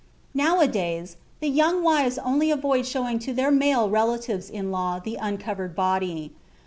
Nowadays, the young wives only avoid showing to their male relatives in law the uncovered body.